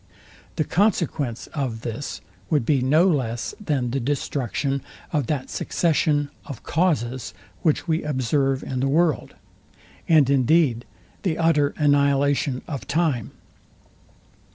The consequence of this would be no less than the destruction of that succession of causes, which we observe in the world; and indeed, the utter annihilation of time.